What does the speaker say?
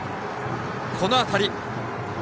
この当たり。